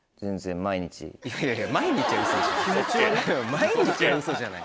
毎日はウソじゃない。